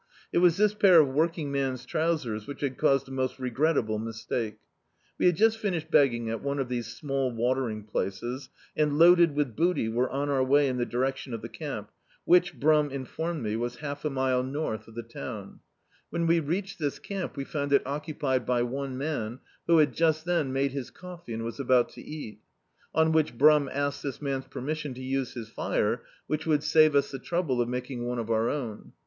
It was this pair of work ing man's trousers which had caused a most regret table mistake. We had just finished begging at one of these small watering places and, loaded with booty, were on our way in the direction of the camp whidi. Brum informed me, was half a mile north of Do.icdt, Google A Tramp's Summer Vacation the town. When we reached this camp we found it occupied by one man, who had just then made his coffee and was about to eat On which Brum asked this man's permission to use his fire, which would save us the trouble of making one of our own.